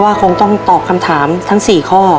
คงต้องตอบคำถามทั้ง๔ข้อ